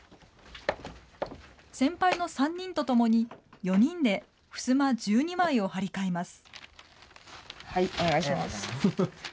先輩の３人と共に４人でふすま１２枚を張り替えます。